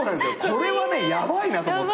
これはヤバいなと思って。